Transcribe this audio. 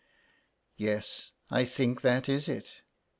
" Yes, I think that is it.